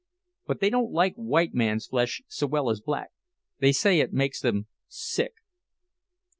But they don't like white men's flesh so well as black; they say it makes them sick."